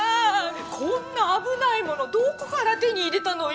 こんな危ないものどこから手に入れたのよ？